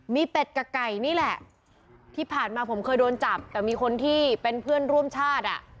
มีเป็ดกับไก่นี่แหละที่ผ่านมาผมเคยโดนจับแต่มีคนที่เป็นเพื่อนร่วมชาติอ่ะ